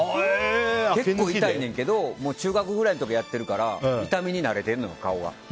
結構痛いねんけどもう、中学くらいの時にやってるから痛みに慣れてるのよ、顔は。